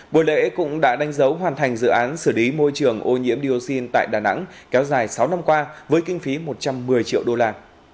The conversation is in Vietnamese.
buổi lễ cũng đã đánh dấu hoàn thành dự án xử lý môi trường ô nhiễm dioxin tại đà nẵng kéo dài sáu năm qua với kinh phí một trăm một mươi triệu đô la